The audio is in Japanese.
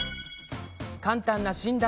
簡単な診断